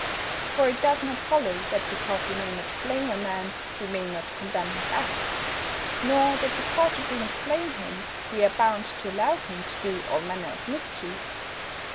For it does not follow that because we may not blame a man we may not condemn his acts. Nor that because we do not blame him we are bound to allow him to do all manner of mischief.